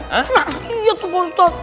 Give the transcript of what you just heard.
nah iya tuh pak ustaz